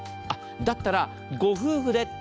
だったら、ご夫婦で。